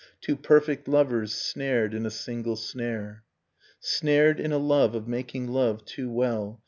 . Two perfect lovers snared in a single snare! — Snared in a love of making love too well.